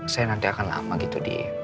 saya nanti akan lama gitu di